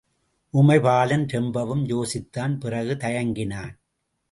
உமைபாலன் ரொம்பவும் யோசித்தான் பிறகு தயங்கினான்.